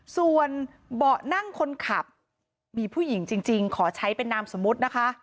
ส่วนเบาะนั่งคนขับมีผู้หญิงจริงขอใช้เป็นนามสมมุตินะคะ